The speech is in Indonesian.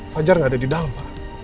fajar nggak ada di dalam pak